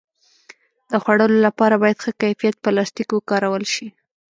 د خوړو لپاره باید ښه کیفیت پلاستيک وکارول شي.